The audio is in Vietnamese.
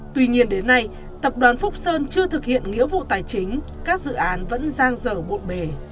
tuy nhiên đến nay tập đoàn phúc sơn chưa thực hiện nghĩa vụ tài chính các dự án vẫn giang dở bộn bề